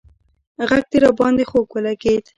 غږ دې راباندې خوږ ولگېد